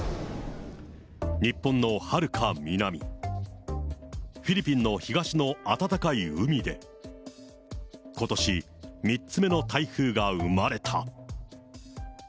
日本のはるか南、フィリピンの東の暖かい海で、ことし、３つ目の台風が生まれた。